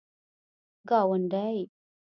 گاونډی